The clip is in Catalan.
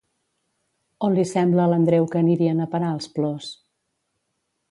On li sembla a l'Andreu que anirien a parar els plors?